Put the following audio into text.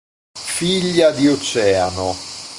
Figlia di Oceano.